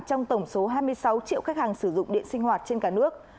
trong tổng số hai mươi sáu triệu khách hàng sử dụng điện sinh hoạt trên cả nước